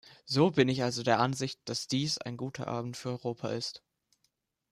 So bin ich also der Ansicht, dass dies ein guter Abend für Europa ist.